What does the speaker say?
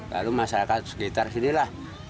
lalu masyarakat sekitar sini lah